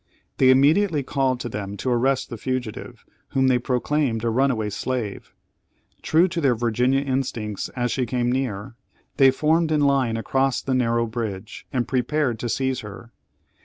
They immediately called to them to arrest the fugitive, whom they proclaimed a runaway slave. True to their Virginian instincts as she came near, they formed in line across the narrow bridge, and prepared to seize her.